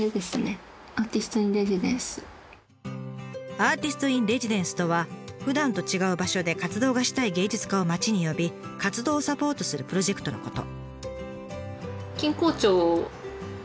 「アーティスト・イン・レジデンス」とはふだんと違う場所で活動がしたい芸術家を町に呼び活動をサポートするプロジェクトのこと。